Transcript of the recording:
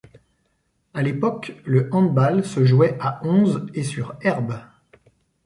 À l'époque le handball se jouait à onze et sur herbe.